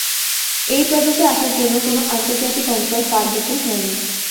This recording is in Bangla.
এই প্রদেশে আসার জন্য কোন আন্তর্জাতিক অঞ্চল পার হতে হয়না।